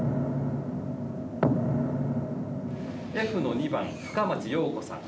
Ｆの２番深町ようこさん。